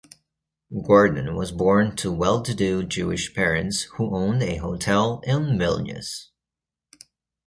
Gordon was born to well-to-do Jewish parents who owned a hotel in Vilnius.